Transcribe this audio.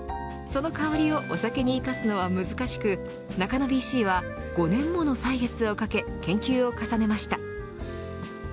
その香りをお酒に生かすのは難しく中野ＢＣは５年もの歳月をかけ研究を重ねました。